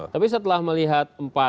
tapi setelah melihat empat